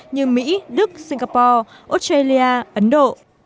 như mỹ đức singapore australia ấn độ